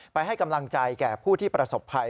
ให้กำลังใจแก่ผู้ที่ประสบภัย